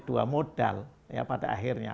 dua modal ya pada akhirnya